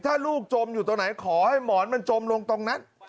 ถ้าลูกจมอยู่ตรงไหนขอให้หมอนมันจมลงตรงนั้น